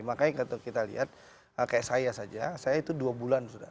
makanya kalau kita lihat kayak saya saja saya itu dua bulan sudah